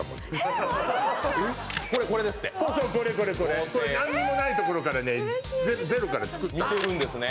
これですってそうそうこれこれこれ何にもないところからねゼロから作ったの見てるんですね